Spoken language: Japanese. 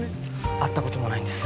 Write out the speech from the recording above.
会ったこともないんです